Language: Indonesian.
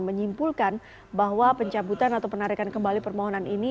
menyimpulkan bahwa pencabutan atau penarikan kembali permohonan ini